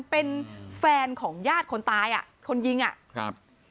เป็นแฟนของญาติคนตายอ่ะคนยิงอ่ะครับ